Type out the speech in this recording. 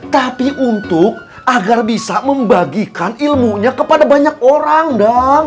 tapi untuk agar bisa membagikan ilmunya kepada banyak orang dong